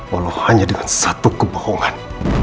walau hanya dengan satu kebohongan